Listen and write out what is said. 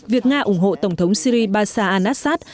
việc nga ủng hộ tổng thống syri barsa anassad